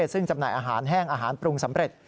ซึ่งจำหน่ายอาหารแห้งอาหารปรุงสำเร็จ